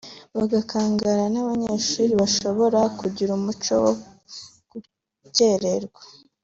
bagakangara n’abanyeshuri bashobora kugira umuco wo gukererwa